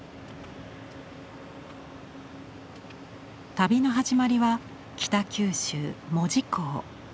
旅の始まりは北九州門司港。